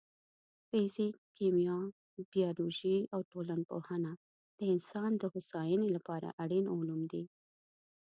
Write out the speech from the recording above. فزیک، کیمیا، بیولوژي او ټولنپوهنه د انسان د هوساینې لپاره اړین علوم دي.